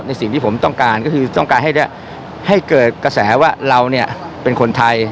สิ่งที่ผมต้องการก็คือต้องการให้เกิดกระแสว่าเราเนี่ยเป็นคนไทย